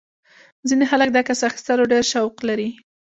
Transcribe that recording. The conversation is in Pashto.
ځینې خلک د عکس اخیستلو ډېر شوق لري.